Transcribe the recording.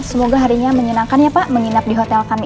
semoga harinya menyenangkan ya pak menginap di hotel kami